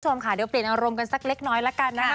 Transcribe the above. คุณผู้ชมค่ะเดี๋ยวเปลี่ยนอารมณ์กันสักเล็กน้อยละกันนะคะ